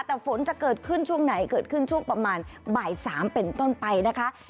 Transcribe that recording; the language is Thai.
แต่ฝนจะเกิดขึ้นช่วงไหนเกิดขึ้นช่วงประมาณบ่าย๓เป็นต้นไปนะคะ